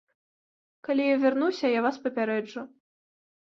Калі я вярнуся, я вас папярэджу.